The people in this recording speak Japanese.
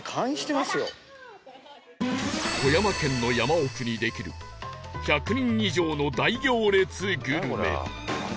富山県の山奥にできる１００人以上の大行列グルメ